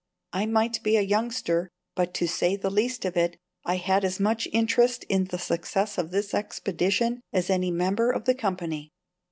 I might be a youngster; but, to say the least of it, I had as much interest in the success of this expedition as any member of the company.